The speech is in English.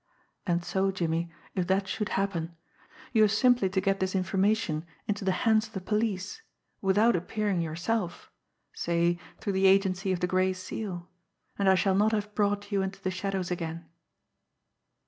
And so, Jimmie, if that should happen, you have simply to get this information into the hands of the police without appearing yourself, say, through the agency of the Gray Sealand I shall not have brought you into the shadows again."